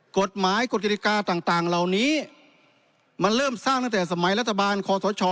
กฎหมายกฎกฎิกาต่างเหล่านี้มันเริ่มสร้างตั้งแต่สมัยรัฐบาลคอสช